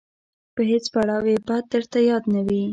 په هیڅ پړاو یې بد درته یاد نه وي.